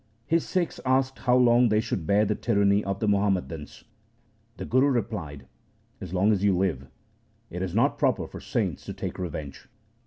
His Sikhs asked how long they should bear the tyranny of the Muhammadans. The Guru replied, ' As long as you live. It is not proper for saints to take revenge.